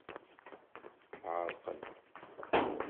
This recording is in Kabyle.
Ɛerqen.